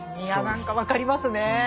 いや何か分かりますね。